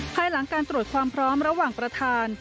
ภายหลังการตรวจความพร้อมระหว่างประธาน